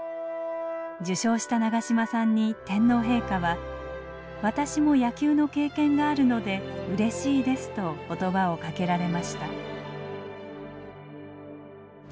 受章した長嶋さんに天皇陛下は私も野球の経験があるのでうれしいですと言葉をかけられました。